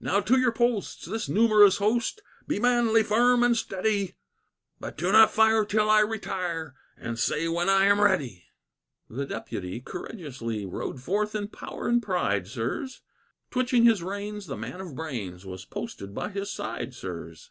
"Now to your posts, this numerous host, Be manly, firm, and steady. But do not fire till I retire And say when I am ready." The Deputy courageously Rode forth in power and pride, sirs; Twitching his reins, the man of brains Was posted by his side, sirs.